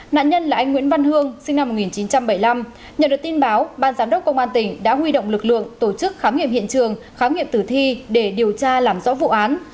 nạn nhân là anh nguyễn văn hương sinh năm một nghìn chín trăm bảy mươi năm nhận được tin báo ban giám đốc công an tỉnh đã huy động lực lượng tổ chức khám nghiệm hiện trường khám nghiệm tử thi để điều tra làm rõ vụ án